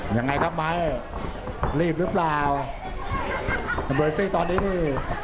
ยังไงครับไม้รีบรึเปล่าตอนนี้นี่